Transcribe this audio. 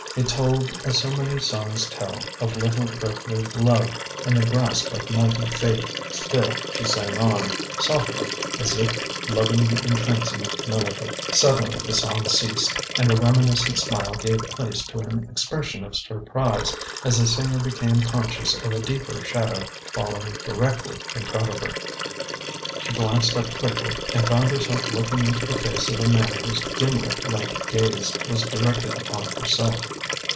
It told, as so many songs tell, of little earthly Love in the grasp of mighty Fate. Still she sang on, softly, as if loving the entrancing melody. Suddenly the song ceased, and the reminiscent smile gave place to an expression of surprise, as the singer became conscious of a deeper shadow falling directly in front of her. She glanced up quickly, and found herself looking into the face of a man whose gimlet like gaze was directed upon herself.